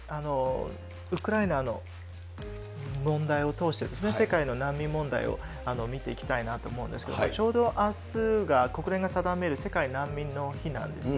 ウクライナの問題を通して、世界の難民問題を見ていきたいなと思うんですけれども、ちょうどあすが、国連が定める世界難民の日なんです。